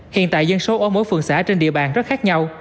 hiện tại dân số ở mỗi phường xã trên địa bàn rất khác nhau